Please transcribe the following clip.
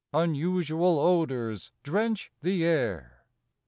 Unusual odors drench the air.